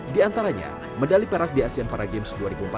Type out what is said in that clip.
di antaranya medali perak di asean para games dua ribu empat belas